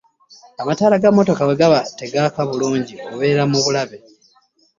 Amataala ga mmotoko bwe gaba tegaaka bulungi obeera mu bulabe.